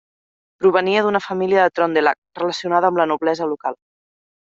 Provenia d'una família de Trøndelag, relacionada amb la noblesa local.